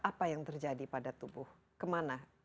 apa yang terjadi pada tubuh kemana gula itu